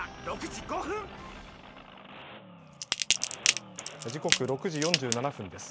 時刻６時４７分です。